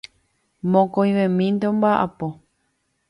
Mokõivemínte ombaʼapo.